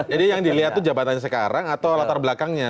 jadi yang dilihat tuh jabatannya sekarang atau latar belakangnya